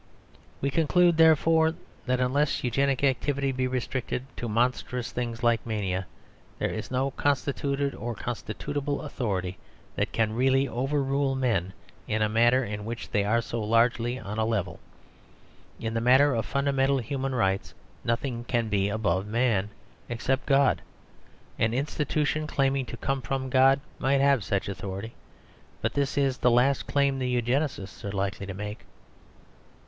We conclude, therefore, that unless Eugenic activity be restricted to monstrous things like mania, there is no constituted or constitutable authority that can really over rule men in a matter in which they are so largely on a level. In the matter of fundamental human rights, nothing can be above Man, except God. An institution claiming to come from God might have such authority; but this is the last claim the Eugenists are likely to make.